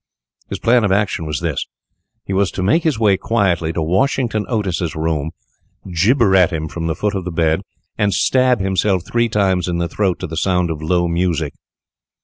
His plan of action was this. He was to make his way quietly to Washington Otis's room, gibber at him from the foot of the bed, and stab himself three times in the throat to the sound of low music.